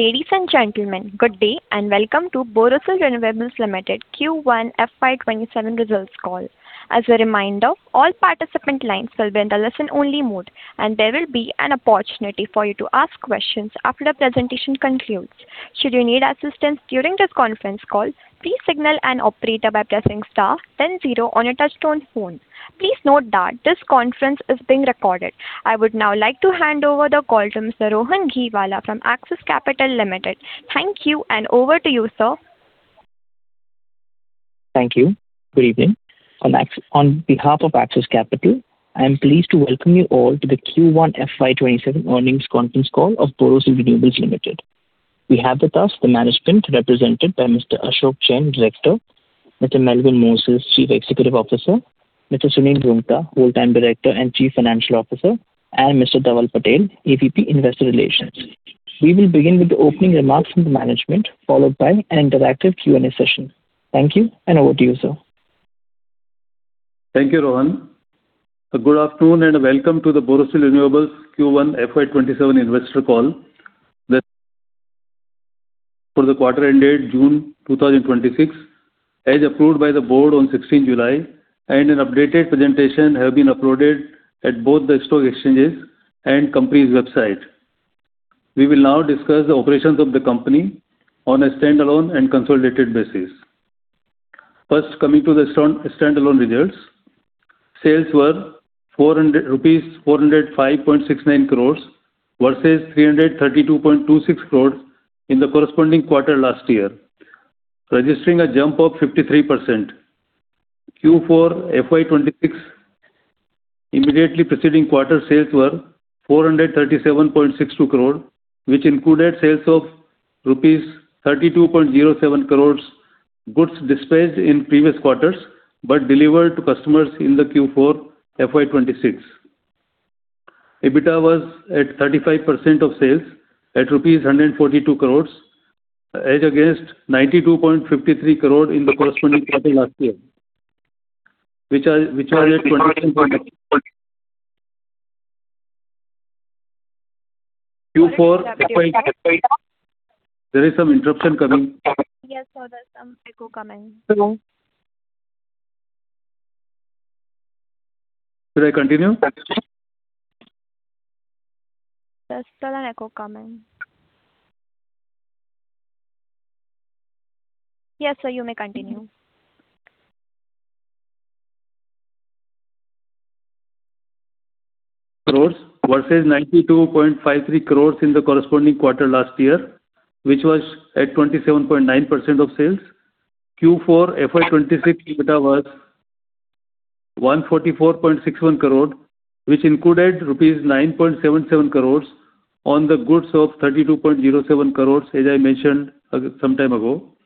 Ladies and gentlemen, good day and welcome to Borosil Renewables Limited Q1 FY 2027 results call. As a reminder, all participant lines will be in the listen only mode, and there will be an opportunity for you to ask questions after the presentation concludes. Should you need assistance during this conference call, please signal an operator by pressing star then zero on your touchtone phone. Please note that this conference is being recorded. I would now like to hand over the call to Mr. Rohan Gheewala from Axis Capital Limited. Thank you, and over to you, sir. Thank you. Good evening. On behalf of Axis Capital, I am pleased to welcome you all to the Q1 FY 2027 earnings conference call of Borosil Renewables Limited. We have with us the management represented by Mr. Ashok Jain, Director, Mr. Melwyn Moses, Chief Executive Officer, Mr. Sunil Roongta, Whole-time Director and Chief Financial Officer, and Mr. Dhaval Patel, AVP, Investor Relations. We will begin with the opening remarks from the management, followed by an interactive Q&A session. Thank you, and over to you, sir. Thank you, Rohan. Good afternoon, and welcome to the Borosil Renewables Q1 FY 2027 investor call. For the quarter ended June 2026, as approved by the board on 16th July, and an updated presentation has been uploaded at both the stock exchanges and company's website. We will now discuss the operations of the company on a standalone and consolidated basis. First, coming to the standalone results. Sales were rupees 405.69 crores, versus 332.26 crores in the corresponding quarter last year, registering a jump of 53%. Q4 FY 2026 immediately preceding quarter sales were 437.62 crore, which included sales of rupees 32.07 crores, goods dispatched in previous quarters but delivered to customers in the Q4 FY 2026. EBITDA was at 35% of sales at rupees 142 crores, as against 92.53 crore in the corresponding quarter last year, which was at 20 Q4. There is some interruption coming. Yes, sir. There's some echo coming. Hello. Should I continue? There's still an echo coming. Yes, sir, you may continue. Crores, versus INR 92.53 crore in the corresponding quarter last year, which was at 27.9% of sales. Q4 FY 2026 EBITDA was 144.61 crore, which included rupees 9.77 crore on the goods of 32.07 crore, as I mentioned some time ago.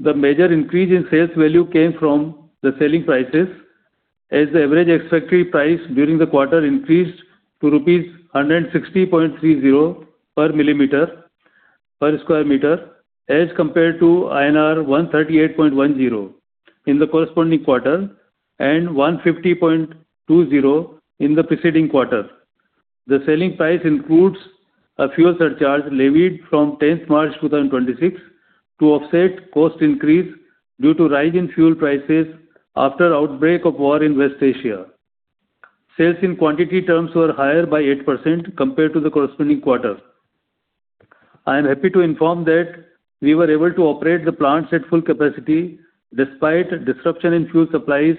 The major increase in sales value came from the selling prices, as the average expected price during the quarter increased to rupees 160.30 per square meter, as compared to INR 138.10 in the corresponding quarter and 150.20 in the preceding quarter. The selling price includes a fuel surcharge levied from 10th March 2026 to offset cost increase due to rise in fuel prices after outbreak of war in West Asia. Sales in quantity terms were higher by 8% compared to the corresponding quarter. I am happy to inform that we were able to operate the plants at full capacity despite disruption in fuel supplies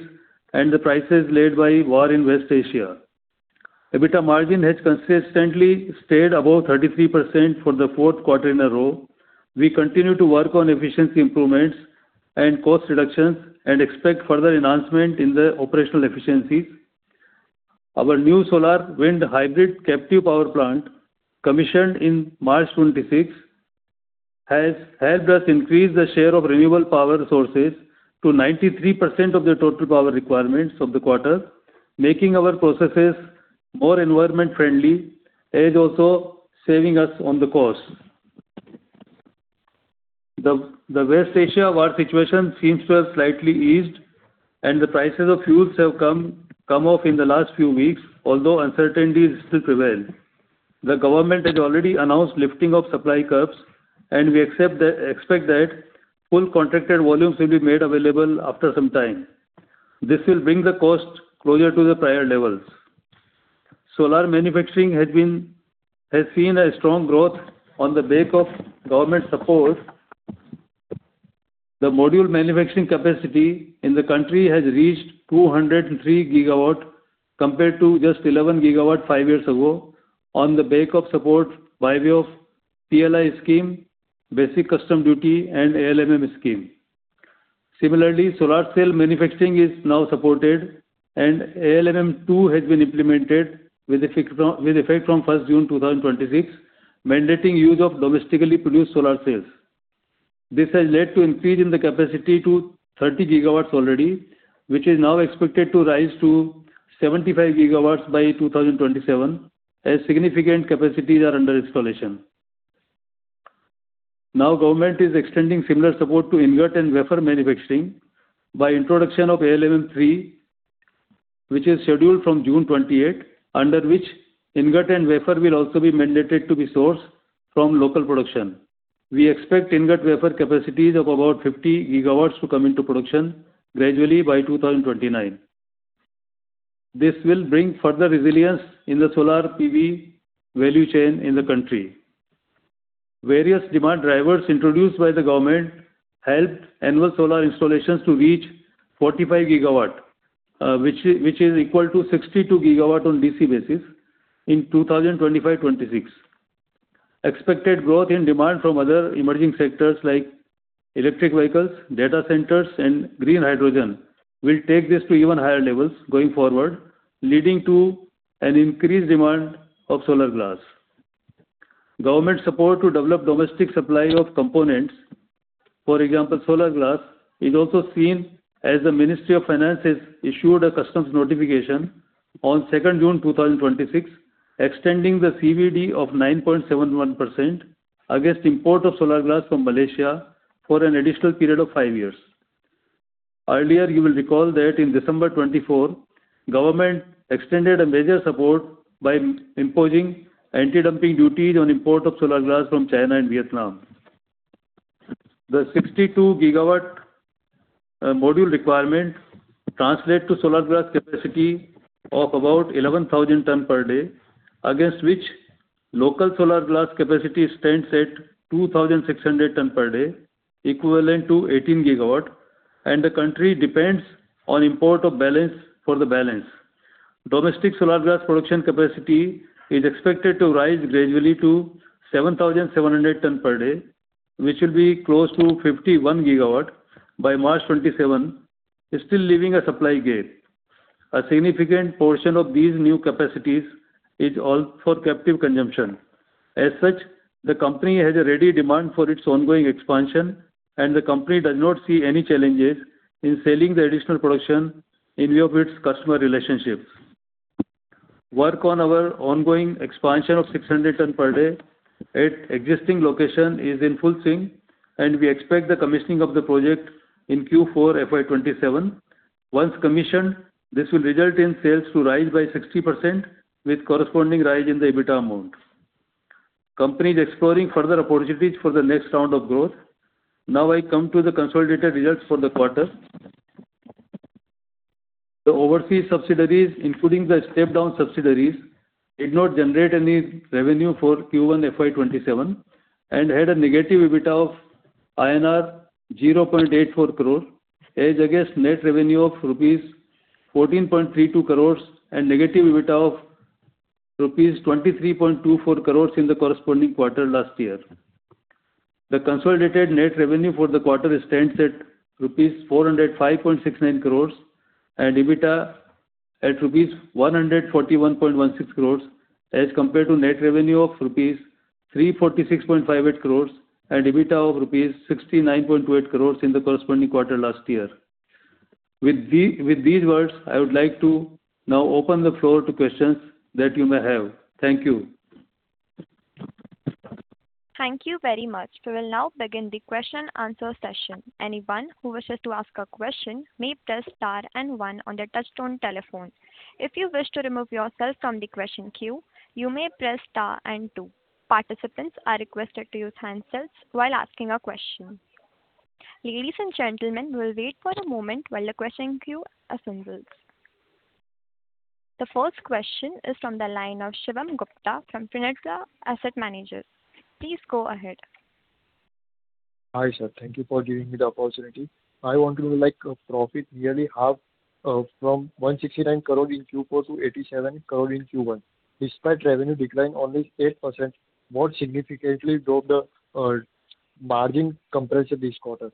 and the prices led by war in West Asia. EBITDA margin has consistently stayed above 33% for the fourth quarter in a row. We continue to work on efficiency improvements and cost reductions and expect further enhancement in the operational efficiencies. Our new solar wind hybrid captive power plant, commissioned in March 2026, has helped us increase the share of renewable power sources to 93% of the total power requirements of the quarter, making our processes more environment friendly, it is also saving us on the cost. The West Asia war situation seems to have slightly eased, and the prices of fuels have come off in the last few weeks, although uncertainties still prevail. The government has already announced lifting of supply curbs, and we expect that full contracted volumes will be made available after some time. This will bring the cost closer to the prior levels. Solar manufacturing has seen a strong growth on the back of government support. The module manufacturing capacity in the country has reached 203 GW compared to just 11 GW five years ago on the back of support by way of PLI scheme, basic customs duty, and ALMM scheme. Similarly, solar cell manufacturing is now supported, and ALMM 2 has been implemented with effect from 1st June 2026, mandating use of domestically produced solar cells. This has led to increase in the capacity to 30 GW already, which is now expected to rise to 75 GW by 2027, as significant capacities are under installation. Government is extending similar support to ingot and wafer manufacturing by introduction of ALMM 3 which is scheduled from June 28th, under which ingot and wafer will also be mandated to be sourced from local production. We expect ingot wafer capacities of about 50 GW to come into production gradually by 2029. This will bring further resilience in the solar PV value chain in the country. Various demand drivers introduced by the government helped annual solar installations to reach 45 GW, which is equal to 62 GW on DC basis in 2025-26. Expected growth in demand from other emerging sectors like electric vehicles, data centers, and green hydrogen will take this to even higher levels going forward, leading to an increased demand of solar glass. Government support to develop domestic supply of components, for example, solar glass, is also seen as the Ministry of Finance has issued a customs notification on 2nd June 2026, extending the CVD of 9.71% against import of solar glass from Malaysia for an additional period of five years. Earlier, you will recall that in December 2024, government extended a major support by imposing anti-dumping duties on import of solar glass from China and Vietnam. The 62 GW module requirement translates to solar glass capacity of about 11,000 ton per day, against which local solar glass capacity stands at 2,600 ton per day, equivalent to 18 gigawatt, and the country depends on import of balance for the balance. Domestic solar glass production capacity is expected to rise gradually to 7,700 ton per day, which will be close to 51 gigawatt by March 2027, still leaving a supply gap. A significant portion of these new capacities is all for captive consumption. As such, the company has a ready demand for its ongoing expansion, and the company does not see any challenges in selling the additional production in view of its customer relationships. Work on our ongoing expansion of 600 ton per day at existing location is in full swing, and we expect the commissioning of the project in Q4 FY 2027. Once commissioned, this will result in sales to rise by 60% with corresponding rise in the EBITDA amount. Company is exploring further opportunities for the next round of growth. I come to the consolidated results for the quarter. The overseas subsidiaries, including the step-down subsidiaries, did not generate any revenue for Q1 FY 2027 and had a negative EBITDA of INR 0.84 crores as against net revenue of rupees 14.32 crores and negative EBITDA of rupees 23.24 crores in the corresponding quarter last year. The consolidated net revenue for the quarter stands at rupees 405.69 crores and EBITDA at rupees 141.16 crores as compared to net revenue of rupees 346.58 crores and EBITDA of rupees 69.28 crores in the corresponding quarter last year. With these words, I would like to now open the floor to questions that you may have. Thank you. Thank you very much. We will now begin the question and answer session. Anyone who wishes to ask a question may press star and one on their touchtone telephone. If you wish to remove yourself from the question queue, you may press star and two. Participants are roequested to use handsets while asking a question. Ladies and gentlemen, we will wait for a moment while the question queue assembles. The first question is from the line of Shivam Gupta from Trinica Asset Managers. Please go ahead. Hi, sir. Thank you for giving me the opportunity. I want to know, profit nearly half from 169 crore in Q4 to 87 crore in Q1, despite revenue decline only 8%, what significantly dropped the margin compression this quarter?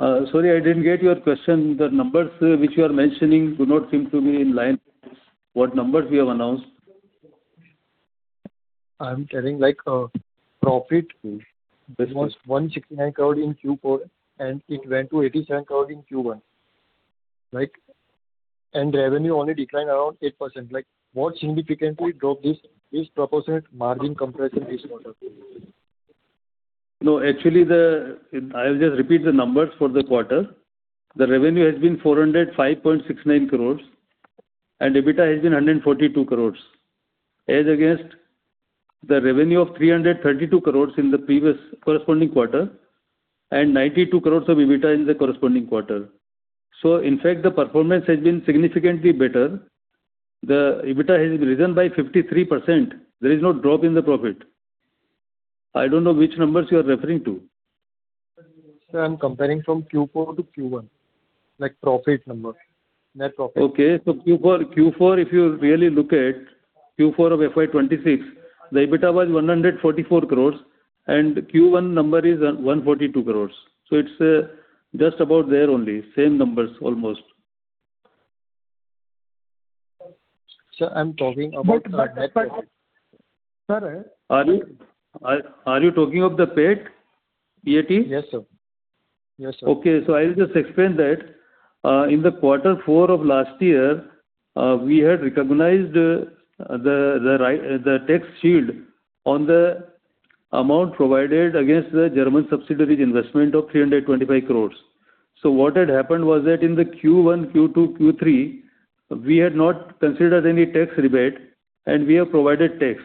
Sorry, I didn't get your question. The numbers which you are mentioning do not seem to be in line. What numbers you have announced? I am telling, profit. Yes. Which was 169 crore in Q4, it went to 87 crore in Q1. Revenue only declined around 8%. What significantly dropped this disproportionate margin compression this quarter? Actually, I will just repeat the numbers for the quarter. The revenue has been 405.69 crores, and EBITDA has been 142 crores. As against the revenue of 332 crores in the previous corresponding quarter and 92 crores of EBITDA in the corresponding quarter. In fact, the performance has been significantly better. The EBITDA has risen by 53%. There is no drop in the profit. I don't know which numbers you are referring to. Sir, I am comparing from Q4 to Q1, profit number, net profit. Okay. Q4, if you really look at Q4 of FY 2026, the EBITDA was 144 crores, Q1 number is 142 crores. It's just about there only, same numbers almost. Sir, I'm talking about the- Are you talking of the PAT? P-A-T? Yes, sir. Okay. I'll just explain that. In the quarter four of last year, we had recognized the tax shield on the amount provided against the German subsidiary's investment of 325 crores. What had happened was that in the Q1, Q2, Q3, we had not considered any tax rebate, and we have provided tax.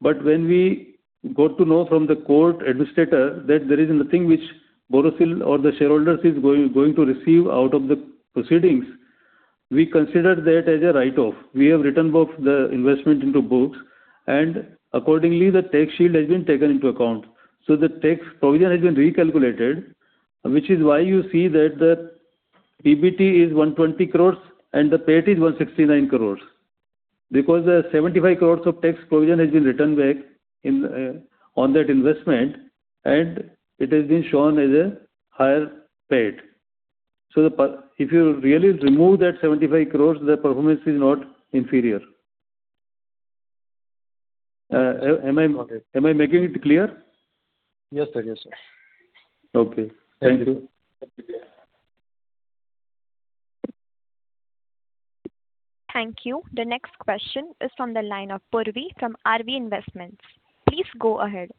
When we got to know from the court administrator that there is nothing which Borosil or the shareholders is going to receive out of the proceedings, we considered that as a write-off. We have written off the investment into books, and accordingly, the tax shield has been taken into account. The tax provision has been recalculated, which is why you see that the PBT is 120 crores and the PAT is 169 crores. The 75 crores of tax provision has been written back on that investment, and it has been shown as a higher PAT. If you really remove that 75 crores, the performance is not inferior. Am I making it clear? Yes, sir. Okay. Thank you. Thank you. Thank you. The next question is from the line of Purvi from RV Investments. Please go ahead.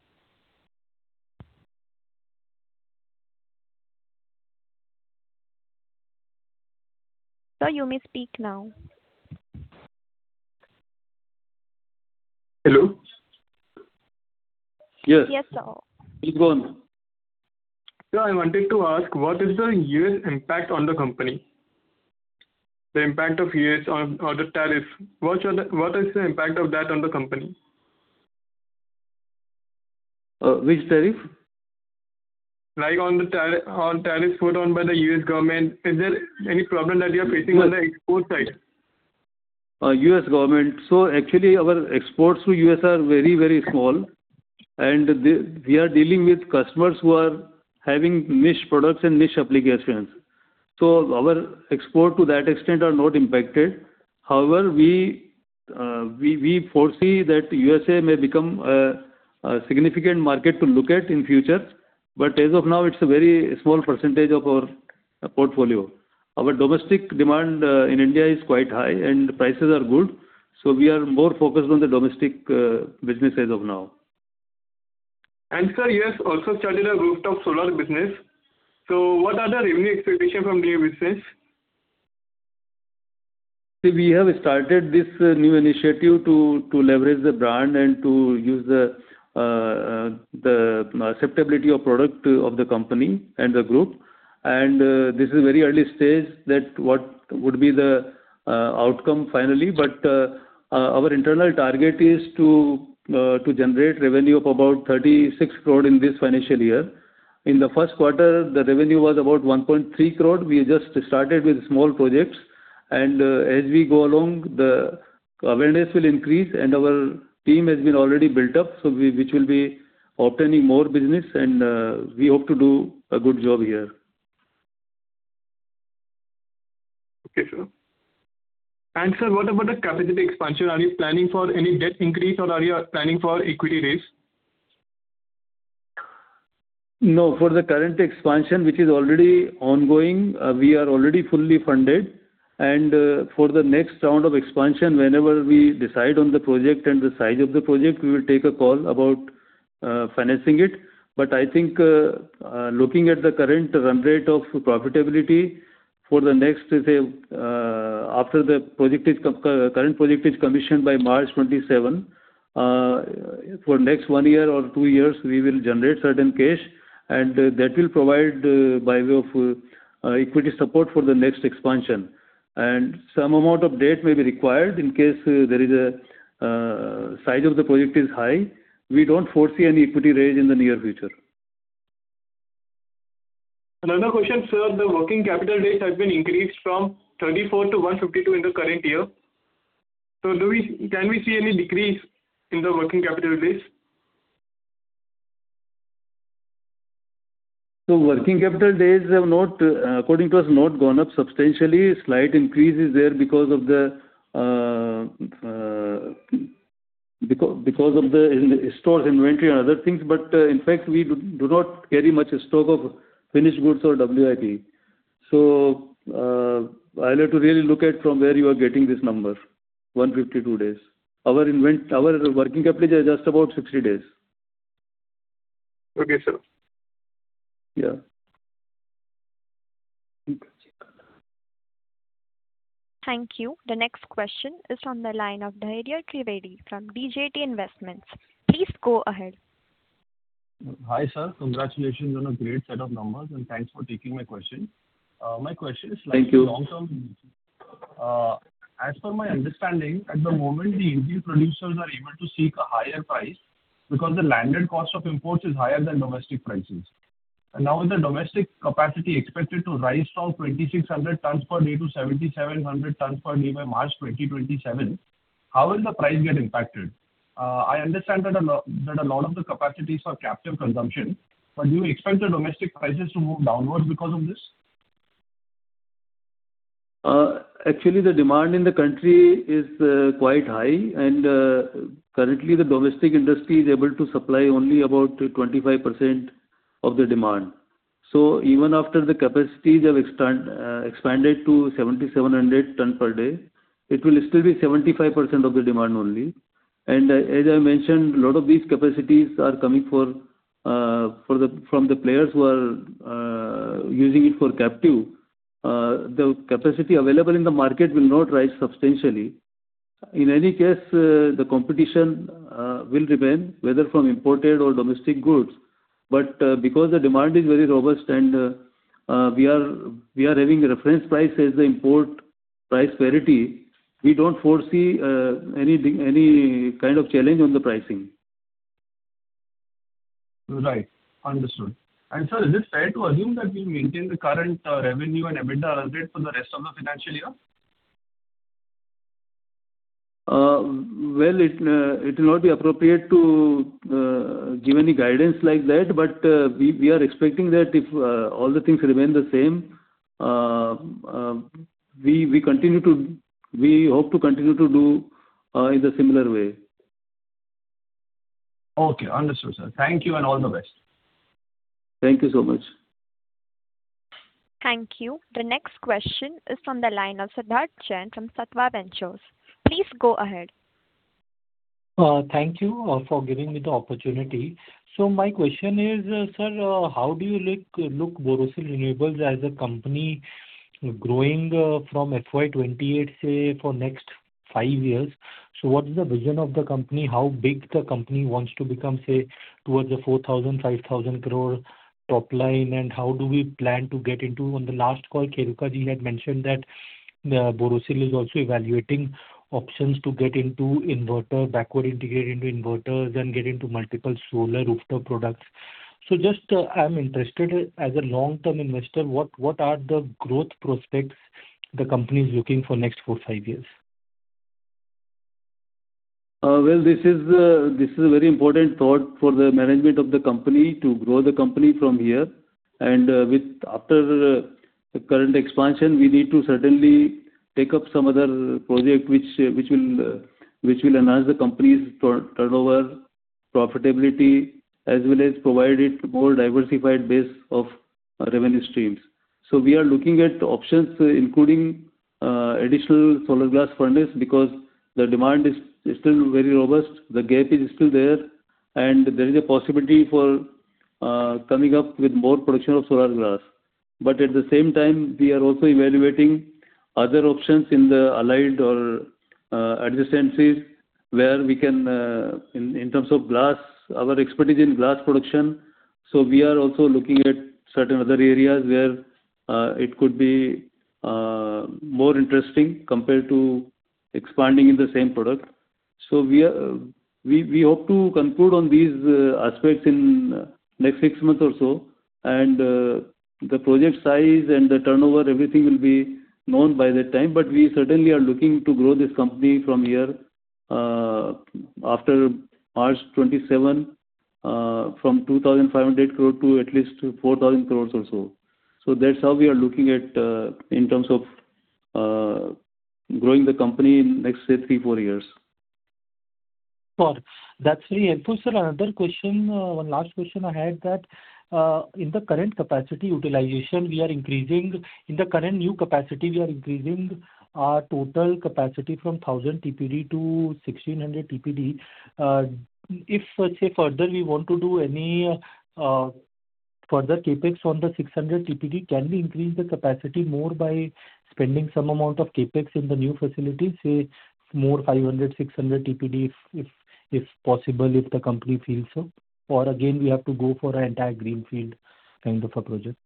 Sir, you may speak now. Hello? Yes. Yes, sir. Please go on. Sir, I wanted to ask, what is the U.S. impact on the company? The impact of U.S. or the tariff. What is the impact of that on the company? Which tariff? Like on tariffs put on by the U.S. government. Is there any problem that you're facing on the export side? U.S. government. Actually, our exports to U.S. are very small, and we are dealing with customers who are having niche products and niche applications. Our export to that extent are not impacted. However, we foresee that USA may become a significant market to look at in future. As of now, it's a very small percentage of our portfolio. Our domestic demand in India is quite high, and prices are good. We are more focused on the domestic business as of now. Sir, U.S. also started a rooftop solar business. What are the revenue expectations from new business? We have started this new initiative to leverage the brand and to use the acceptability of product of the company and the group. This is very early stage that what would be the outcome finally. Our internal target is to generate revenue of about 36 crore in this financial year. In the first quarter, the revenue was about 1.3 crore. We just started with small projects. As we go along, the awareness will increase, and our team has been already built up, which will be obtaining more business, and we hope to do a good job here. Okay, sure. Sir, what about the capacity expansion? Are you planning for any debt increase, or are you planning for equity raise? No, for the current expansion, which is already ongoing, we are already fully funded. For the next round of expansion, whenever we decide on the project and the size of the project, we will take a call about financing it. I think, looking at the current run rate of profitability, after the current project is commissioned by March 2027, for next one year or two years, we will generate certain cash, and that will provide by way of equity support for the next expansion. Some amount of debt may be required in case size of the project is high. We don't foresee any equity raise in the near future. Another question, sir. The working capital days have been increased from 34 to 152 in the current year. Can we see any decrease in the working capital days? Working capital days have, according to us, not gone up substantially. Slight increase is there because of the stored inventory and other things, but in fact, we do not carry much stock of finished goods or WIP. I'll have to really look at from where you are getting this number, 152 days. Our working capital is just about 60 days. Okay, sir. Yeah. Thank you. The next question is from the line of Dhairya Trivedi from DJT Investments. Please go ahead. Hi, sir. Congratulations on a great set of numbers, thanks for taking my question. Thank you. My question is like long-term. As per my understanding, at the moment, the Indian producers are able to seek a higher price because the landed cost of imports is higher than domestic prices. Now with the domestic capacity expected to rise from 2,600 tons per day to 7,700 tons per day by March 2027, how will the price get impacted? I understand that a lot of the capacities are captive consumption, do you expect the domestic prices to move downwards because of this? Actually, the demand in the country is quite high, currently, the domestic industry is able to supply only about 25% of the demand. Even after the capacities have expanded to 7,700 tons per day, it will still be 75% of the demand only. As I mentioned, a lot of these capacities are coming from the players who are using it for captive. The capacity available in the market will not rise substantially. In any case, the competition will remain, whether from imported or domestic goods. Because the demand is very robust and we are having a reference price as the import price parity, we don't foresee any kind of challenge on the pricing. Right. Understood. Sir, is it fair to assume that we'll maintain the current revenue and EBITDA rate for the rest of the financial year? Well, it will not be appropriate to give any guidance like that. We are expecting that if all the things remain the same, we hope to continue to do in the similar way. Okay. Understood, sir. Thank you, all the best. Thank you so much. Thank you. The next question is from the line of Siddharth Jain from Sattva Ventures. Please go ahead. Thank you for giving me the opportunity. My question is, sir, how do you look Borosil Renewables as a company growing from FY 2028, say, for next five years? What is the vision of the company? How big the company wants to become, say, towards a 4,000 crore, 5,000 crore top line? How do we plan to get into On the last call, Kheruka Ji had mentioned that Borosil is also evaluating options to get into inverter, backward integrate into inverters, and get into multiple solar rooftop products. I'm interested as a long-term investor, what are the growth prospects the company is looking for next four, five years? Well, this is a very important thought for the management of the company to grow the company from here. After the current expansion, we need to certainly take up some other project which will enhance the company's turnover, profitability, as well as provide it more diversified base of revenue streams. We are looking at options including additional solar glass furnace, because the demand is still very robust. The gap is still there, and there is a possibility for coming up with more production of solar glass. At the same time, we are also evaluating other options in the allied or adjacent fields where we can, in terms of glass, our expertise in glass production. We are also looking at certain other areas where it could be more interesting compared to expanding in the same product. We hope to conclude on these aspects in next six months or so. The project size and the turnover, everything will be known by that time. We certainly are looking to grow this company from here, after March 2027, from 2,500 crore to at least 4,000 crore or so. That's how we are looking at in terms of growing the company in next, say, three, four years. Sure. That's very helpful, sir. Another question, one last question I had that in the current capacity utilization, we are increasing in the current new capacity, we are increasing our total capacity from 1,000 TPD to 1,600 TPD. If, say, further we want to do any further CapEx on the 600 TPD, can we increase the capacity more by spending some amount of CapEx in the new facility, say, more 500, 600 TPD, if possible, if the company feels so? Again, we have to go for an entire greenfield kind of a project.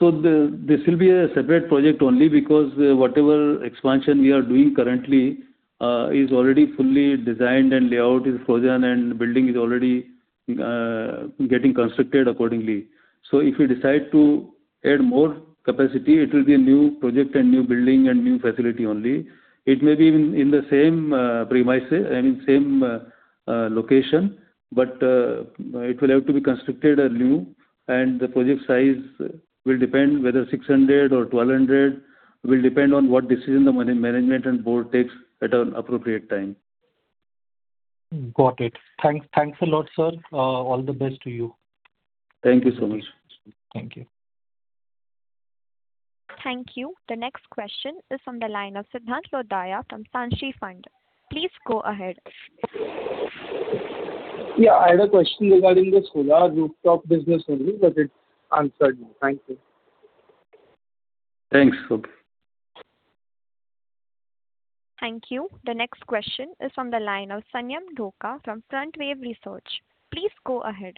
This will be a separate project only because whatever expansion we are doing currently is already fully designed and layout is frozen and building is already getting constructed accordingly. If we decide to add more capacity, it will be a new project and new building and new facility only. It may be in the same premises, I mean, same location. It will have to be constructed anew, and the project size will depend whether 600 or 1,200, will depend on what decision the management and board takes at an appropriate time. Got it. Thanks a lot, sir. All the best to you. Thank you so much. Thank you. Thank you. The next question is from the line of Siddhant Lodaya from Sanshi Fund. Please go ahead. Yeah, I had a question regarding the solar rooftop business only, but it's answered now. Thank you. Thanks. Okay. Thank you. The next question is from the line of Sanyam Dhoka from Front Wave Research. Please go ahead.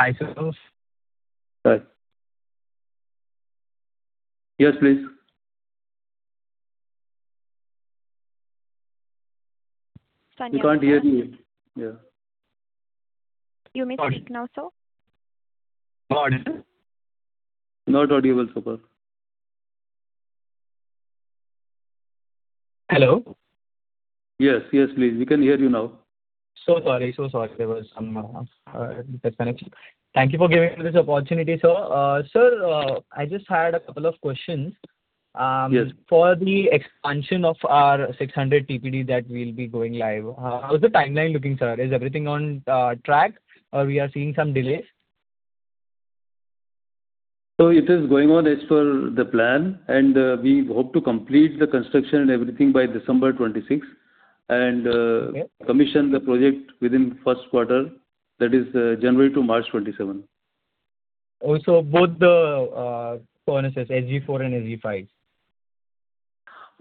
Hi, sir. Sir. Yes, please. Sanyam- We can't hear you. Yeah. You may speak now, sir. No audio? Not audible, Subhash. Hello? Yes, please. We can hear you now. Sorry. There was some connection. Thank you for giving me this opportunity, sir. Sir, I just had a couple of questions. Yes. For the expansion of our 600 TPD that we'll be going live, how is the timeline looking, sir? Is everything on track or we are seeing some delays? It is going on as per the plan, and we hope to complete the construction and everything by December 2026. Okay We hope to commission the project within first quarter, that is January to March 2027. Both the furnaces, SG4 and SG5.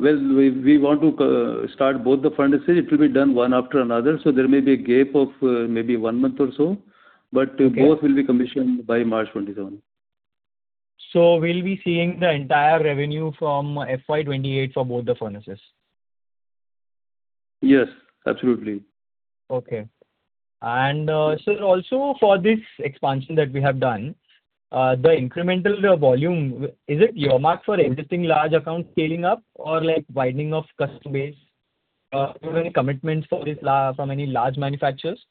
We want to start both the furnaces. It will be done one after another. There may be a gap of maybe one month or so, both will be commissioned by March 2027. We'll be seeing the entire revenue from FY 2028 for both the furnaces. Yes, absolutely. Okay. Sir, also for this expansion that we have done, the incremental volume, is it earmarked for existing large account scaling up or widening of customer base? Are there any commitments from any large manufacturers?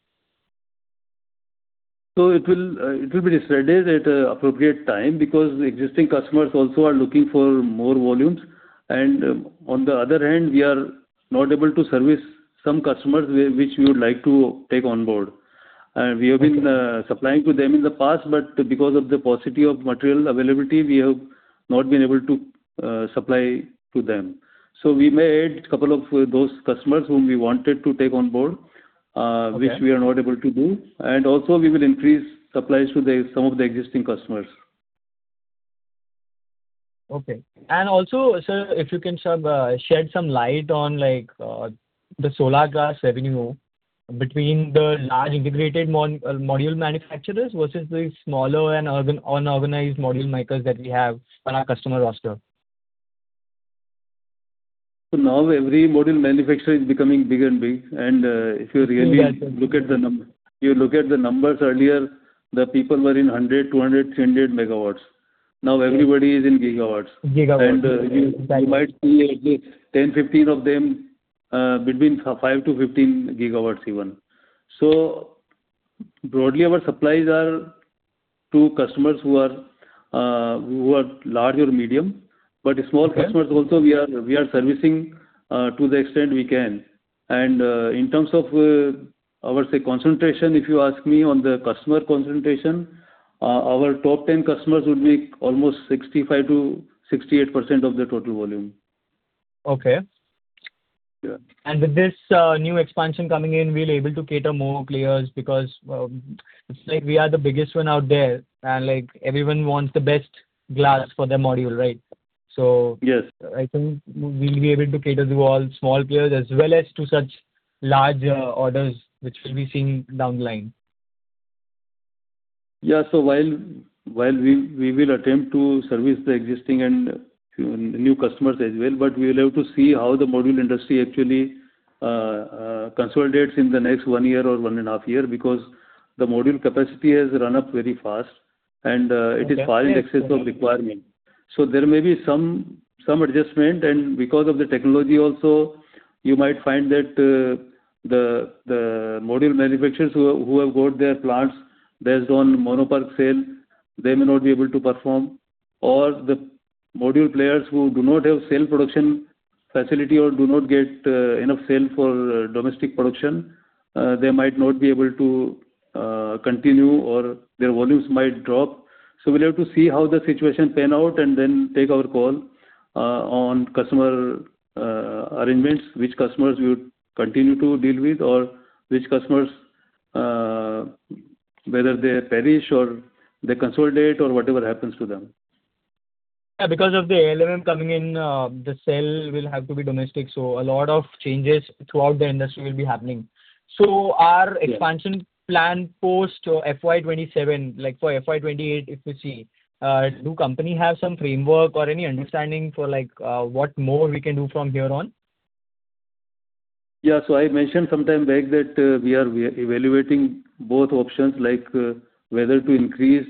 It will be decided at appropriate time because existing customers also are looking for more volumes. On the other hand, we are not able to service some customers which we would like to take on board. We have been supplying to them in the past, but because of the paucity of material availability, we have not been able to supply to them. We may add a couple of those customers whom we wanted to take on board. Okay Which we are not able to do. Also we will increase supplies to some of the existing customers. Okay. Also, sir, if you can shed some light on the solar glass revenue between the large integrated module manufacturers versus the smaller and unorganized module makers that we have on our customer roster. Now every module manufacturer is becoming big and big. If you really look at the numbers earlier, the people were in 100, 200, 300 MW. Everybody is in gigawatts. Gigawatts. You might see at least 10, 15 of them, between 5-15 GW even. Broadly, our supplies are to customers who are large or medium, but small customers also, we are servicing to the extent we can. In terms of our concentration, if you ask me on the customer concentration, our top 10 customers would be almost 65%-68% of the total volume. Okay. Yeah. With this new expansion coming in, we're able to cater more players because it's like we are the biggest one out there, and everyone wants the best glass for their module, right? Yes I think we'll be able to cater to all small players as well as to such large orders which we'll be seeing down the line. While we will attempt to service the existing and new customers as well, but we will have to see how the module industry actually consolidates in the next one year or one and a half year, because the module capacity has run up very fast and it is far in excess of requirement. There may be some adjustment. Because of the technology also, you might find that the module manufacturers who have got their plants based on monoPERC cell, they may not be able to perform. Or the module players who do not have cell production facility or do not get enough cell for domestic production, they might not be able to continue or their volumes might drop. We'll have to see how the situation pan out and then take our call on customer arrangements, which customers we would continue to deal with or which customers, whether they perish or they consolidate or whatever happens to them. Because of the ALMM coming in, the cell will have to be domestic, a lot of changes throughout the industry will be happening. Our expansion plan post FY 2027, like for FY 2028, if we see, do company have some framework or any understanding for what more we can do from here on? I mentioned some time back that we are evaluating both options, like whether to increase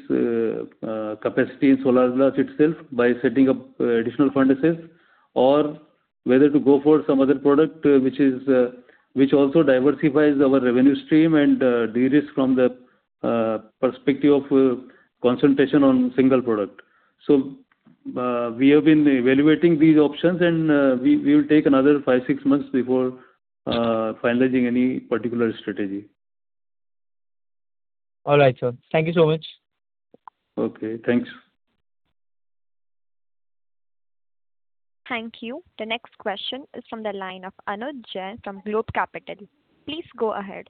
capacity in solar glass itself by setting up additional furnaces or whether to go for some other product which also diversifies our revenue stream and de-risk from the perspective of concentration on single product. We have been evaluating these options, and we will take another five, six months before finalizing any particular strategy. All right, sir. Thank you so much. Okay, thanks. Thank you. The next question is from the line of Anuj Jain from Globe Capital. Please go ahead.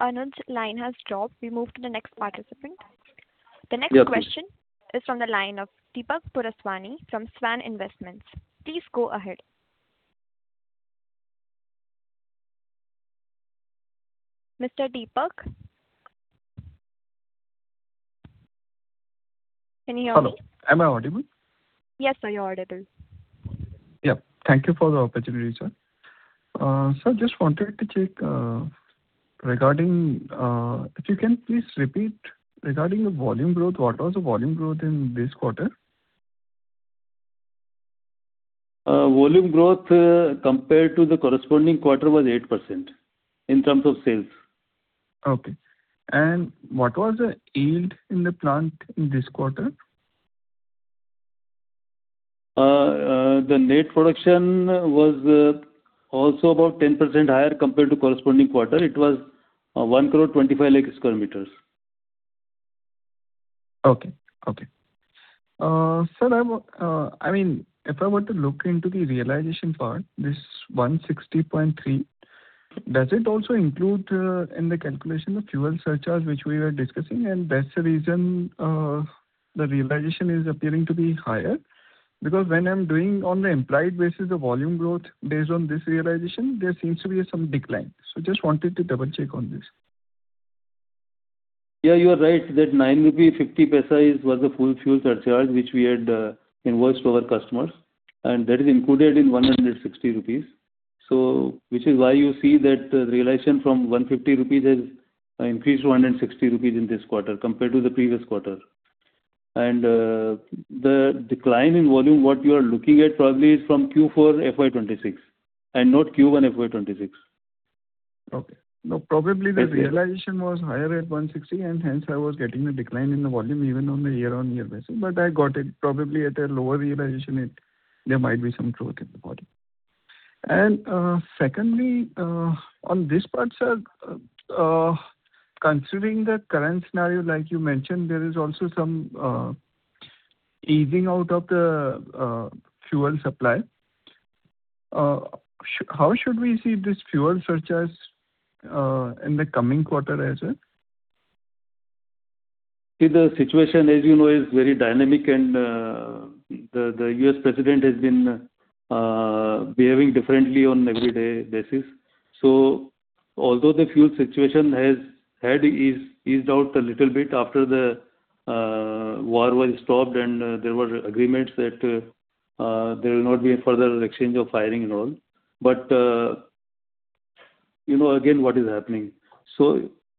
Anuj's line has dropped. We move to the next participant. Yeah. The next question is from the line of Deepak Purswani from Swan Investments. Please go ahead. Mr. Deepak? Can you hear me? Hello. Am I audible? Yes, sir. You're audible. Thank you for the opportunity, sir. Sir, just wanted to check, if you can please repeat regarding the volume growth, what was the volume growth in this quarter? Volume growth compared to the corresponding quarter was 8%, in terms of sales. Okay. What was the yield in the plant in this quarter? The net production was also about 10% higher compared to corresponding quarter. It was 102,500,000 sq m. Okay. Sir, if I were to look into the realization part, this 160.3, does it also include in the calculation the fuel surcharge which we were discussing, that's the reason the realization is appearing to be higher? Because when I'm doing on the implied basis, the volume growth based on this realization, there seems to be some decline. Just wanted to double-check on this. Yeah, you are right that 9.50 rupee was the full fuel surcharge which we had invoiced to our customers, that is included in 160 rupees. Which is why you see that realization from 150 rupees has increased to 160 rupees in this quarter compared to the previous quarter. The decline in volume, what you are looking at probably is from Q4 FY 2026 and not Q1 FY 2026. Okay. No, probably the realization was higher at 160 and hence I was getting the decline in the volume even on the year-on-year basis. I got it probably at a lower realization, there might be some growth in the volume. Secondly, on this part, sir, considering the current scenario like you mentioned, there is also some easing out of the fuel supply. How should we see this fuel surcharge in the coming quarter as well? See, the situation as you know, is very dynamic and the U.S. President has been behaving differently on everyday basis. Although the fuel situation had eased out a little bit after the war was stopped and there were agreements that there will not be a further exchange of firing and all, you know again what is happening.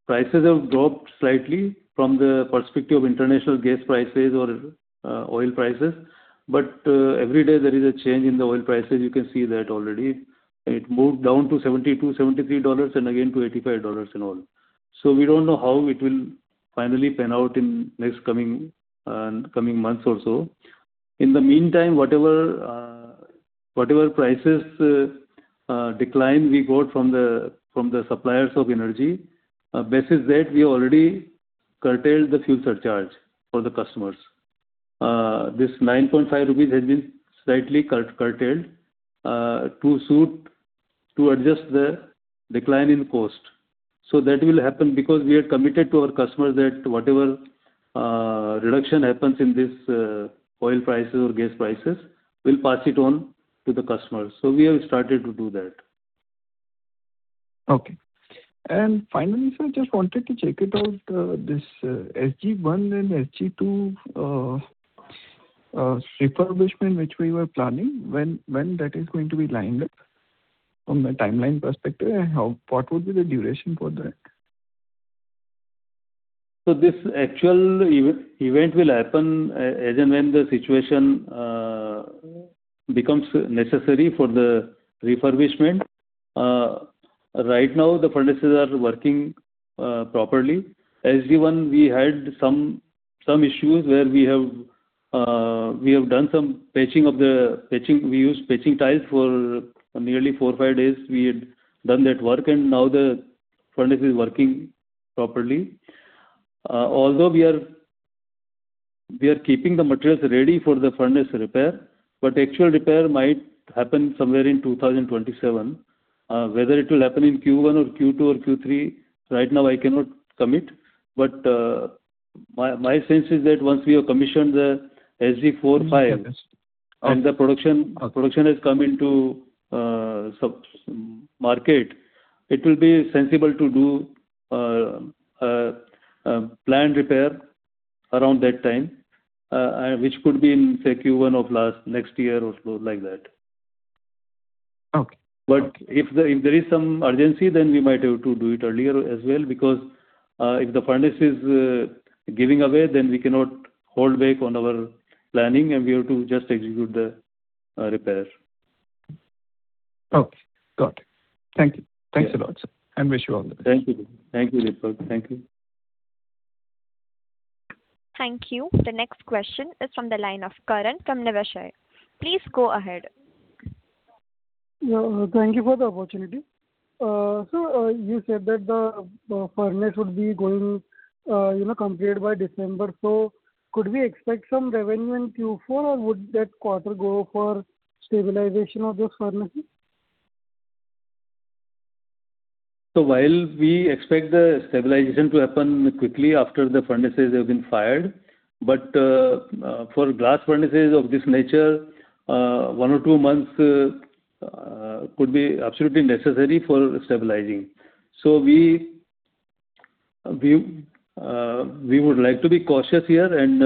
Prices have dropped slightly from the perspective of international gas prices or oil prices, every day there is a change in the oil prices, you can see that already. It moved down to $72, $73 and again to $85 and all. We don't know how it will finally pan out in next coming months or so. In the meantime, whatever prices decline we got from the suppliers of energy, basis that we already curtailed the fuel surcharge for the customers. This 9.5 rupees has been slightly curtailed to adjust the decline in cost. That will happen because we are committed to our customers that whatever reduction happens in this oil prices or gas prices, we'll pass it on to the customers. We have started to do that. Okay. Finally, sir, just wanted to check it out, this SG1 and SG2 refurbishment which we were planning, when that is going to be lining up from the timeline perspective, and what would be the duration for that? This actual event will happen as and when the situation becomes necessary for the refurbishment. Right now the furnaces are working properly. SG1 we had some issues where we have done some patching. We used patching tiles for nearly four or five days. We had done that work and now the furnace is working properly. Although we are keeping the materials ready for the furnace repair, but actual repair might happen somewhere in 2027. Whether it will happen in Q1 or Q2 or Q3, right now I cannot commit, but my sense is that once we have commissioned the SG4, Okay The production has come into market, it will be sensible to do planned repair around that time, which could be in, say, Q1 of next year or so, like that. Okay. If there is some urgency, then we might have to do it earlier as well, because if the furnace is giving away, then we cannot hold back on our planning and we have to just execute the repair. Okay. Got it. Thank you. Thanks a lot, sir. Wish you all the best. Thank you. Thank you, Deepak. Thank you. Thank you. The next question is from the line of Karan from Nivesha. Please go ahead. Thank you for the opportunity. Sir, you said that the furnace would be going complete by December, could we expect some revenue in Q4 or would that quarter go for stabilization of those furnaces? While we expect the stabilization to happen quickly after the furnaces have been fired, for glass furnaces of this nature, one or two months could be absolutely necessary for stabilizing. We would like to be cautious here and,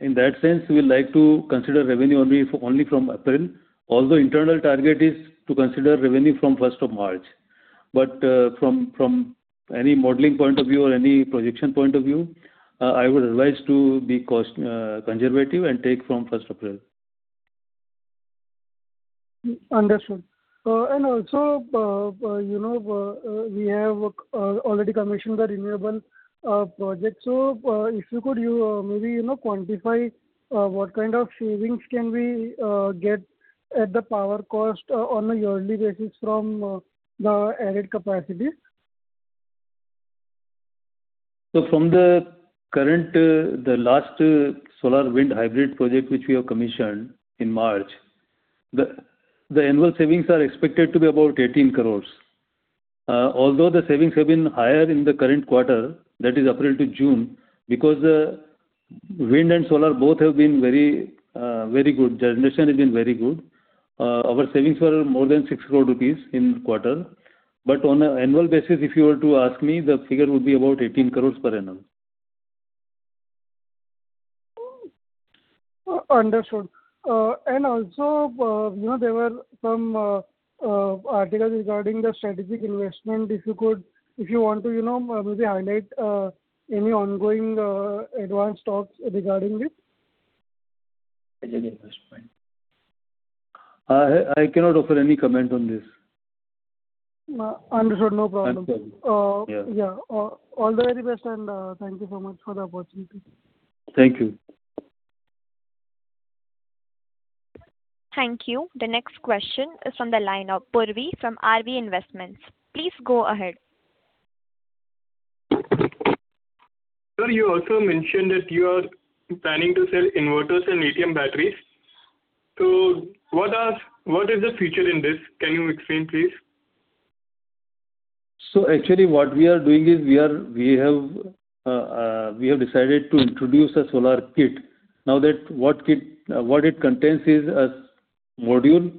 in that sense, we would like to consider revenue only from April, although internal target is to consider revenue from 1st of March. From any modeling point of view or any projection point of view, I would advise to be conservative and take from first of April. Understood. Also, we have already commissioned the renewable project. If you could maybe quantify what kind of savings can we get at the power cost on a yearly basis from the added capacity? From the last solar wind hybrid project, which we have commissioned in March, the annual savings are expected to be about 18 crores. Although the savings have been higher in the current quarter, that is April to June, because wind and solar both have been very good. Generation has been very good. Our savings were more than 6 crore rupees in quarter. On an annual basis, if you were to ask me, the figure would be about 18 crores per annum. Understood. Also, there were some articles regarding the strategic investment. If you want to maybe highlight any ongoing advanced talks regarding it. I cannot offer any comment on this. Understood. No problem. I'm sorry. Yeah. Yeah. All the very best, and thank you so much for the opportunity. Thank you. Thank you. The next question is from the line of Purvi from RV Investments. Please go ahead. Sir, you also mentioned that you are planning to sell inverters and lithium batteries. What is the future in this? Can you explain, please? Actually what we are doing is we have decided to introduce a solar kit. Now what it contains is a module,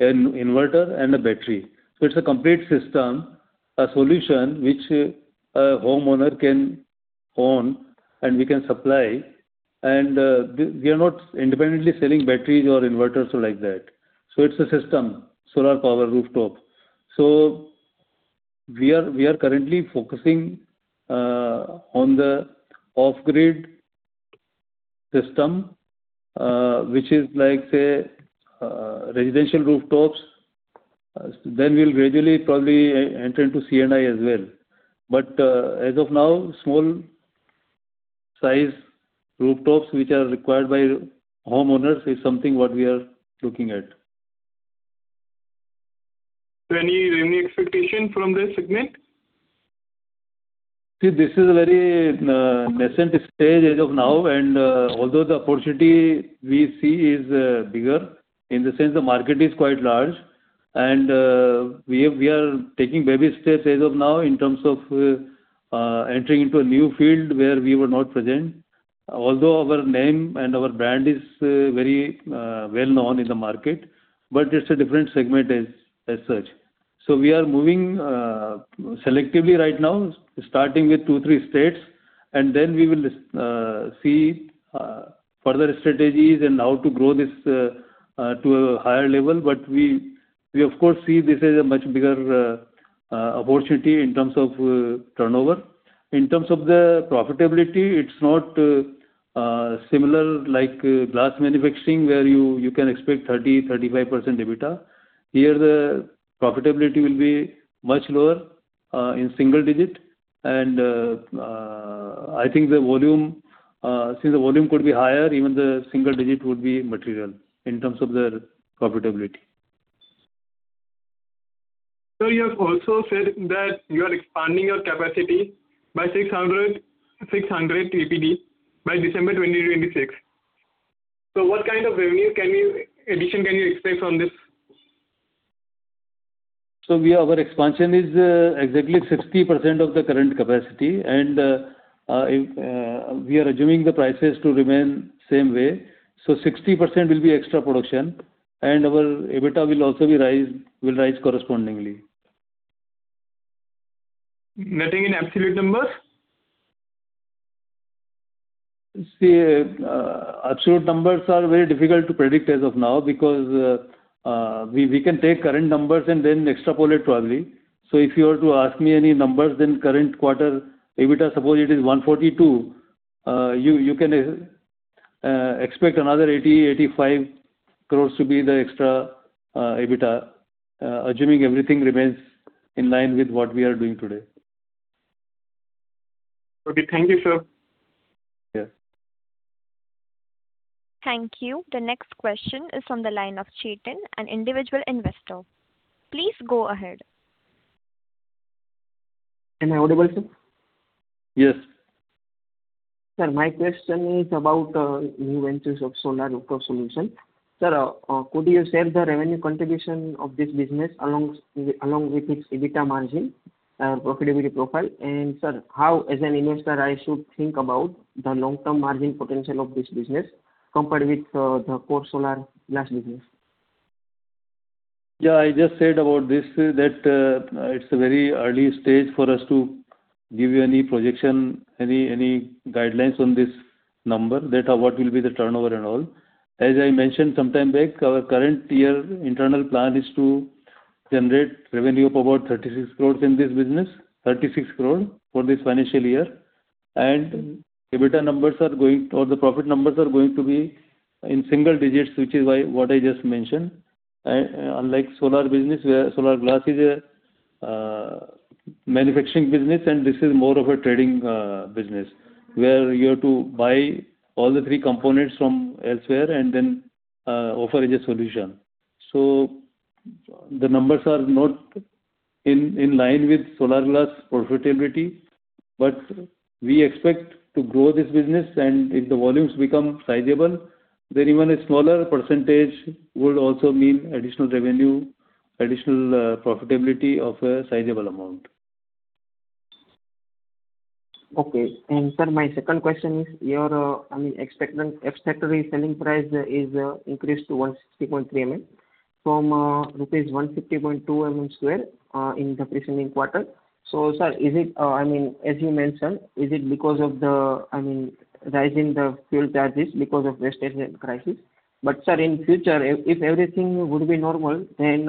an inverter, and a battery. It's a complete system, a solution which a homeowner can own and we can supply. We are not independently selling batteries or inverters like that. It's a system, solar power rooftop. We are currently focusing on the off-grid system, which is like, say, residential rooftops. We'll gradually probably enter into C&I as well. As of now, small size rooftops, which are required by homeowners, is something what we are looking at. Any revenue expectation from this segment? This is a very nascent stage as of now, although the opportunity we see is bigger, in the sense the market is quite large, we are taking baby steps as of now in terms of entering into a new field where we were not present, although our name and our brand is very well known in the market, it's a different segment as such. We are moving selectively right now, starting with two, three states, then we will see further strategies and how to grow this to a higher level. We of course see this as a much bigger opportunity in terms of turnover. In terms of the profitability, it's not similar like glass manufacturing where you can expect 30-35% EBITDA. Here, the profitability will be much lower, in single digit, I think since the volume could be higher, even the single digit would be material in terms of the profitability. Sir, you have also said that you are expanding your capacity by 600 TPD by December 2026. What kind of revenue addition can you expect from this? Our expansion is exactly 60% of the current capacity, we are assuming the prices to remain same way. 60% will be extra production, our EBITDA will also rise correspondingly. Nothing in absolute numbers? Absolute numbers are very difficult to predict as of now because we can take current numbers and then extrapolate probably. If you were to ask me any numbers in current quarter EBITDA, suppose it is 142, you can expect another 80-85 crores to be the extra EBITDA, assuming everything remains in line with what we are doing today. Okay. Thank you, sir. Yes. Thank you. The next question is from the line of Chetan, an individual investor. Please go ahead. Am I audible, sir? Yes. Sir, my question is about new ventures of solar rooftop solution. Sir, could you share the revenue contribution of this business along with its EBITDA margin profitability profile? Sir, how, as an investor, I should think about the long-term margin potential of this business compared with the core solar glass business? I just said about this, that it is a very early stage for us to give you any projection, any guidelines on this number that what will be the turnover and all. As I mentioned sometime back, our current year internal plan is to generate revenue of about 36 crores in this business, 36 crore for this financial year. EBITDA numbers or the profit numbers are going to be in single digits, which is what I just mentioned. Unlike solar business, where solar glass is a manufacturing business, and this is more of a trading business, where you have to buy all the three components from elsewhere and then offer as a solution. The numbers are not in line with solar glass profitability. We expect to grow this business, and if the volumes become sizable, then even a smaller percentage would also mean additional revenue, additional profitability of a sizable amount. Okay. Sir, my second question is, your average selling price is increased to 160.3 rupees per square meter from INR 150.2 per square meter in the preceding quarter. Sir, as you mentioned, is it because of the rise in the fuel charges because of West Asian crisis? Sir, in future, if everything would be normal, then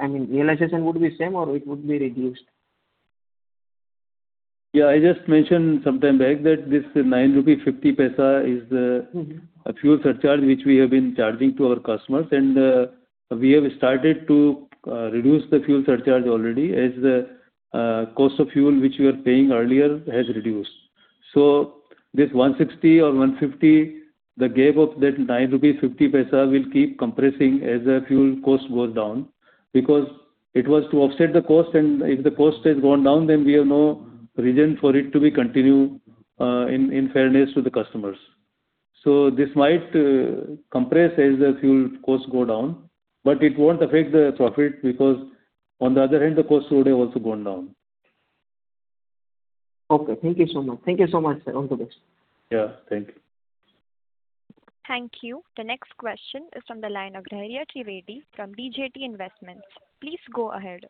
realization would be same or it would be reduced? I just mentioned sometime back that this 9.50 rupee is it is a fuel surcharge which we have been charging to our customers. We have started to reduce the fuel surcharge already as the cost of fuel which we were paying earlier has reduced. This 160 or 150, the gap of that 9.50 rupees will keep compressing as the fuel cost goes down, because it was to offset the cost, and if the cost has gone down, then we have no reason for it to be continued in fairness to the customers. This might compress as the fuel costs go down, but it won't affect the profit because on the other hand, the costs would have also gone down. Okay. Thank you so much, sir. All the best. Yeah. Thank you. Thank you. The next question is from the line of Dhairya Trivedi from DJT Investments. Please go ahead.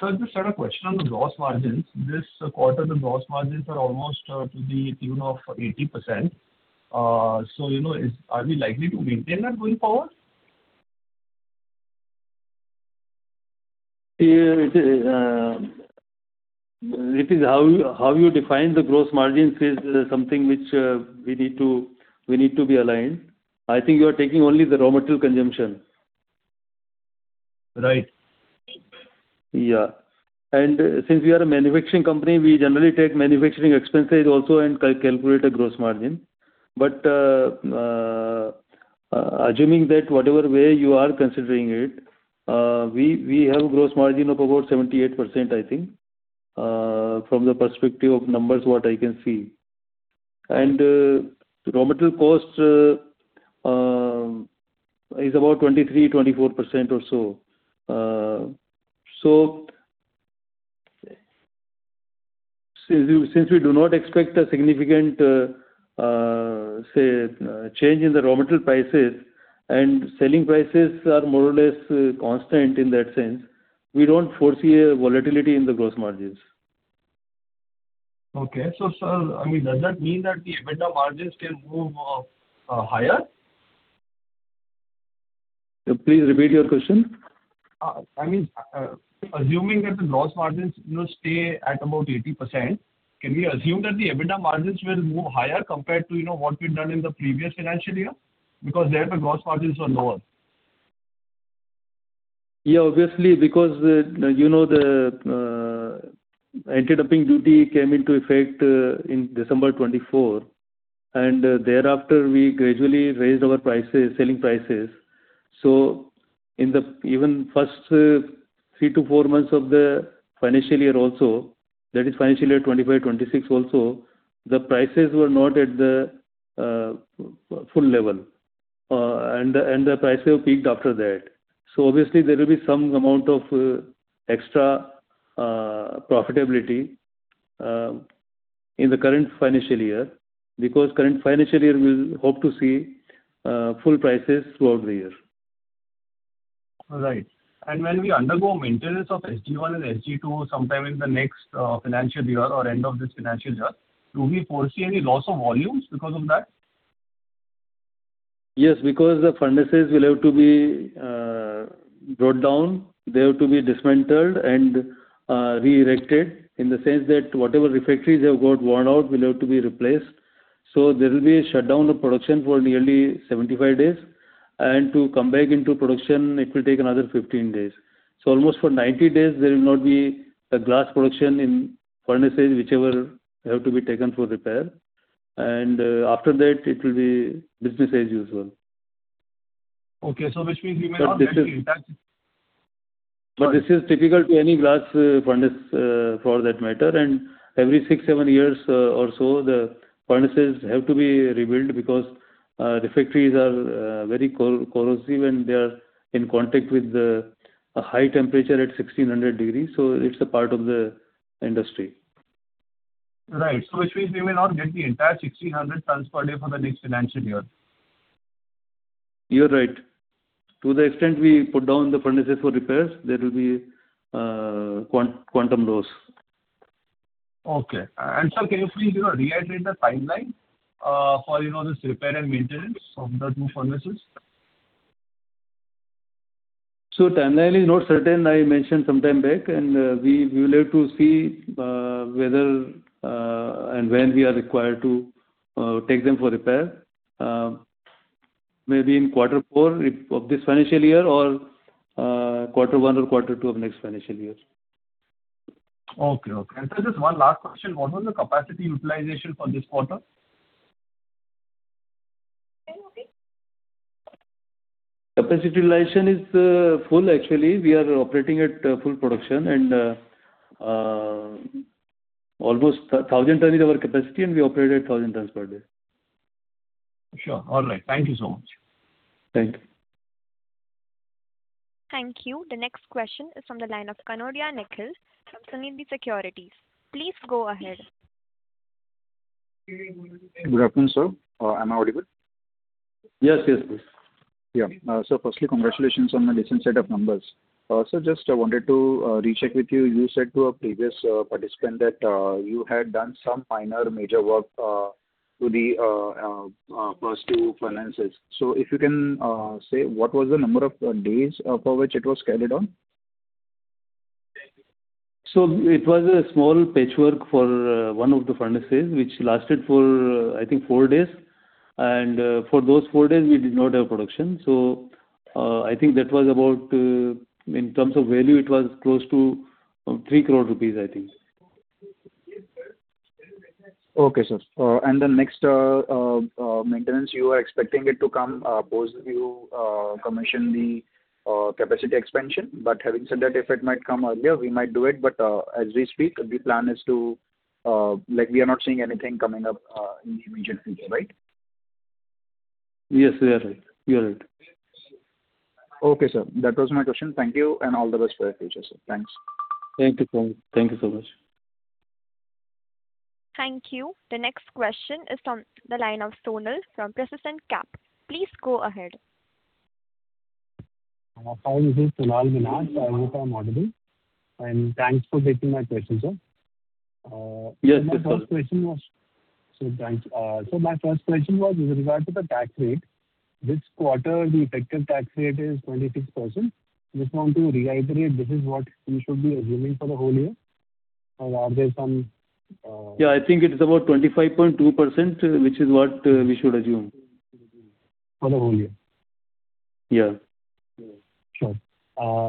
Sir, just had a question on the gross margins. This quarter, the gross margins are almost to the tune of 80%. Are we likely to maintain that going forward? It is how you define the gross margins is something which we need to be aligned. I think you are taking only the raw material consumption. Right. Since we are a manufacturing company, we generally take manufacturing expenses also and calculate a gross margin. Assuming that whatever way you are considering it, we have gross margin of about 78%, I think, from the perspective of numbers, what I can see. Raw material cost is about 23%-24% or so. Since we do not expect a significant change in the raw material prices, and selling prices are more or less constant in that sense, we don't foresee a volatility in the gross margins. Sir, does that mean that the EBITDA margins can move higher? Please repeat your question. Assuming that the gross margins will stay at about 80%, can we assume that the EBITDA margins will move higher compared to what we've done in the previous financial year? Because there the gross margins were lower. Yeah, obviously because the anti-dumping duty came into effect in December 2024, thereafter we gradually raised our selling prices. In the even first three to four months of the financial year also, that is financial year 2025/2026 also, the prices were not at the full level. The prices peaked after that. Obviously there will be some amount of extra profitability in the current financial year, because current financial year we'll hope to see full prices throughout the year. Right. When we undergo maintenance of SG1 and SG2 sometime in the next financial year or end of this financial year, do we foresee any loss of volumes because of that? Yes, because the furnaces will have to be brought down. They have to be dismantled and re-erected in the sense that whatever refractories have got worn out will have to be replaced. There will be a shutdown of production for nearly 75 days. To come back into production, it will take another 15 days. Almost for 90 days, there will not be glass production in furnaces whichever have to be taken for repair. After that it will be business as usual. Okay. Which means we may not get the entire- this is typical to any glass furnace for that matter. Every six, seven years or so, the furnaces have to be rebuilt because refractories are very corrosive and they are in contact with a high temperature at 1,600 degrees. It's a part of the industry. Right. Which means we may not get the entire 1,600 tons per day for the next financial year. You're right. To the extent we put down the furnaces for repairs, there will be quantum loss. Okay. Sir, can you please reiterate the timeline for this repair and maintenance of the two furnaces? Timeline is not certain, I mentioned some time back, and we will have to see whether and when we are required to take them for repair. Maybe in quarter 4 of this financial year or quarter 1 or quarter 2 of next financial year. Okay. Sir, just one last question. What was the capacity utilization for this quarter? Capacity utilization is full, actually. We are operating at full production and almost 1,000 ton is our capacity, and we operate at 1,000 tons per day. Sure. All right. Thank you so much. Thank you. Thank you. The next question is from the line of Kanoria Nikhil from Sunidhi Securities. Please go ahead. Good afternoon, sir. Am I audible? Yes, please. Yeah. Firstly, congratulations on the recent set of numbers. Sir, just wanted to recheck with you. You said to a previous participant that you had done some minor, major work to the first two furnaces. If you can say, what was the number of days for which it was carried on? It was a small patchwork for one of the furnaces, which lasted for, I think, four days. For those four days, we did not have production. I think that was about, in terms of value, it was close to 3 crore rupees, I think. Okay, sir. Having said that, if it might come earlier, we might do it, but as we speak, We are not seeing anything coming up in the immediate future, right? Yes, you are right. Okay, sir. That was my question. Thank you, all the best for your future, sir. Thanks. Thank you so much. Thank you. The next question is from the line of Sonal from Persistence Capital. Please go ahead. Hi, this is Sonal Minas. I hope I'm audible. Thanks for taking my question, sir. Yes. my first question was with regard to the tax rate. This quarter, the effective tax rate is 26%. Just want to reiterate, this is what we should be assuming for the whole year or are there? I think it is about 25.2%, which is what we should assume. For the whole year? Yeah. Sure.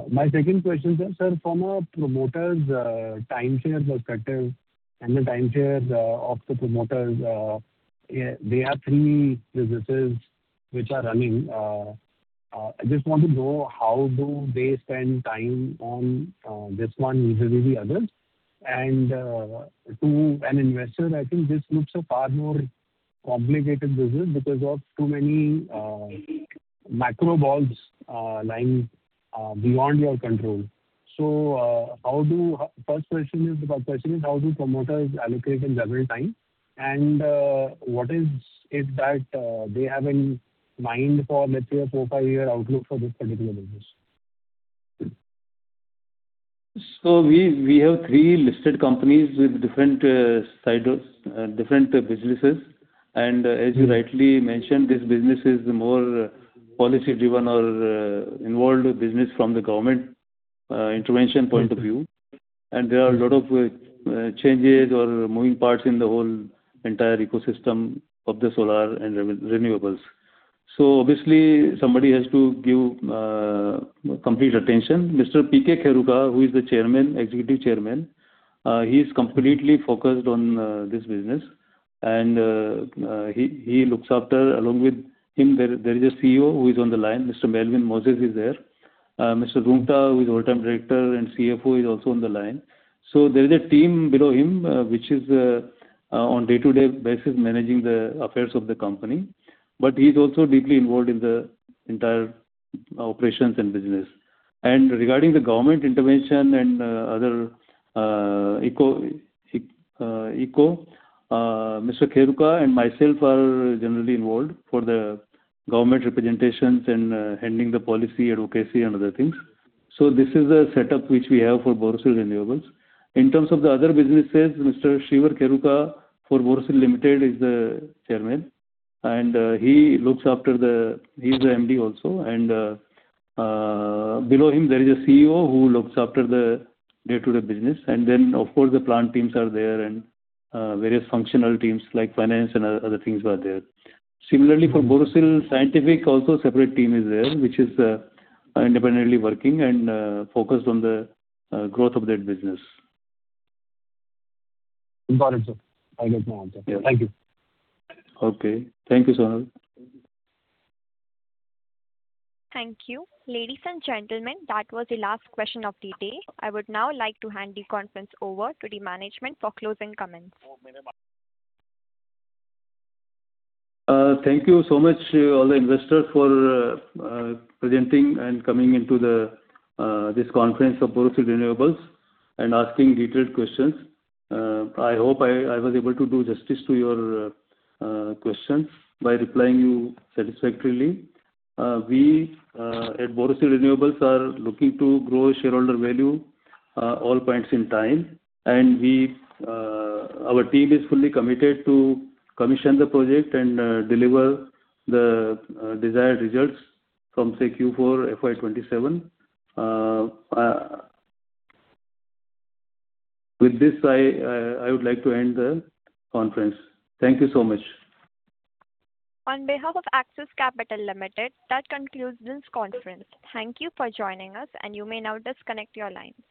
My second question, sir. Sir, from a promoter's time share perspective, and the time share of the promoters, they have three businesses which are running. I just want to know how do they spend time on this one vis-a-vis the others? To an investor, I think this looks a far more complicated business because of too many macro factors lying beyond your control. first question is, how do promoters allocate and juggle time? what is it that they have in mind for let's say a four, five-year outlook for this particular business? We have three listed companies with different businesses. As you rightly mentioned, this business is more policy-driven or involved business from the government intervention point of view. There are a lot of changes or moving parts in the whole entire ecosystem of the solar and renewables. Obviously, somebody has to give complete attention. Mr. P. K. Kheruka, who is the Executive Chairman, he's completely focused on this business. He looks after, along with him, there is a CEO who is on the line, Mr. Melwyn Moses is there. Mr. Roongta, who is Whole-time Director and CFO is also on the line. There is a team below him, which is on day-to-day basis managing the affairs of the company. He is also deeply involved in the entire operations and business. Regarding the government intervention and other eco, Mr. Kheruka and myself are generally involved for the government representations and handling the policy advocacy and other things. This is a setup which we have for Borosil Renewables. In terms of the other businesses, Mr. Shreevar Kheruka for Borosil Limited is the Chairman. He's the MD also. Below him, there is a CEO who looks after the day-to-day business. Then, of course, the plant teams are there and various functional teams like finance and other things are there. Similarly, for Borosil Scientific, also separate team is there, which is independently working and focused on the growth of that business. Got it, sir. I get my answer. Thank you. Thank you, Sonal. Thank you. Ladies and gentlemen, that was the last question of the day. I would now like to hand the conference over to the management for closing comments. Thank you so much to all the investors for presenting and coming into this conference of Borosil Renewables and asking detailed questions. I hope I was able to do justice to your questions by replying you satisfactorily. We at Borosil Renewables are looking to grow shareholder value all points in time. Our team is fully committed to commission the project and deliver the desired results from, say, Q4 FY 2027. With this, I would like to end the conference. Thank you so much. On behalf of Axis Capital Limited, that concludes this conference. Thank you for joining us. You may now disconnect your lines.